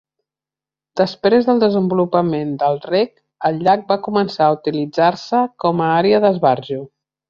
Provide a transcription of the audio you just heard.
Després del desenvolupament del reg, el llac va començar a utilitzar-se com a àrea d'esbarjo.